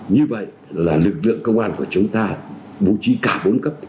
như vậy là lực lượng công an của chúng ta bố trí cả bốn cấp